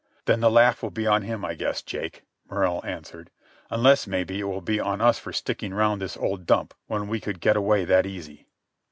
"Then the laugh will be on him, I guess, Jake," Morrell answered. "Unless, maybe, it will be on us for sticking round this old dump when we could get away that easy."